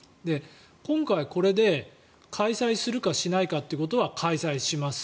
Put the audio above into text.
今回これで開催するかしないかということは開催します。